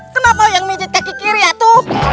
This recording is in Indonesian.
kenapa yang menjit kaki kiri itu